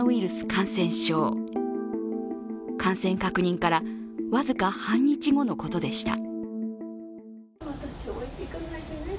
感染確認から僅か半日後のことでした。